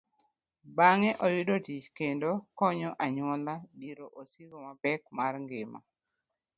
Bang'e oyudo tich kendo konyo anyuola dhiro osigo mapek mar ngima.